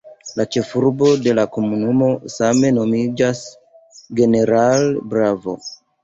La ĉefurbo de la komunumo same nomiĝas "General Bravo".